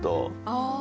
ああ。